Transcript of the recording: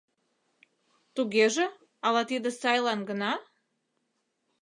Тугеже, ала тиде сайлан гына?